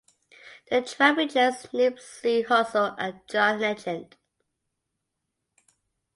The track features Nipsey Hussle and John Legend.